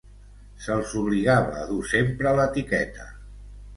Se'ls obligava a dur sempre l'etiqueta.